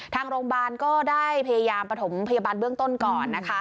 ทางโรงพยาบาลก็ได้พยายามประถมพยาบาลเบื้องต้นก่อนนะคะ